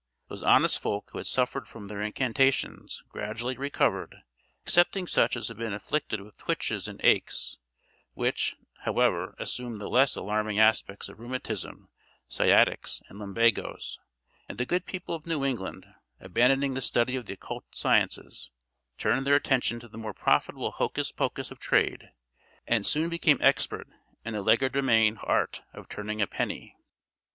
Those honest folk who had suffered from their incantations gradually recovered, excepting such as had been afflicted with twitches and aches, which, however, assumed the less alarming aspects of rheumatism, ciatics, and lumbagos; and the good people of New England, abandoning the study of the occult sciences, turned their attention to the more profitable hocus pocus of trade, and soon became expert in the legerdemain art of turning a penny.